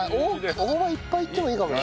大葉いっぱいいってもいいかもね。